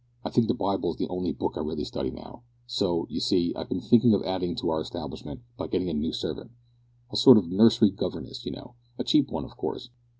I think the Bible is the only book I really study now, so, you see, I've been thinking of adding to our establishment by getting a new servant; a sort of nursery governess, you know, a cheap one, of course.